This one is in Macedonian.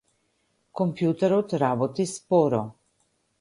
Компјутерот работи споро.